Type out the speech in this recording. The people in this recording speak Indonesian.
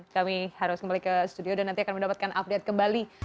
kami harus kembali ke studio dan nanti akan mendapatkan update kembali